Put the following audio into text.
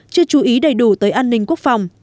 chưa chú ý đầy đủ tới an ninh quốc phòng